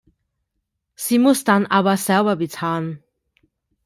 Sie muss dann aber selber bezahlen.